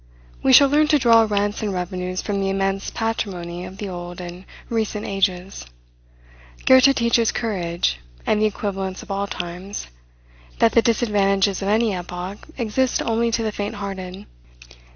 We shall learn to draw rents and revenues from the immense patrimony of the old and recent ages. Goethe teaches courage, and the equivalence of all times: that the disadvantages of any epoch exist only to the faint hearted.